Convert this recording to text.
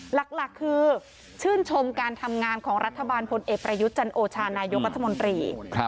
หลักคือชื่นชมการทำงานของรัฐบาลพลเอกประยุทธ์จันโอชานายกรัฐมนตรี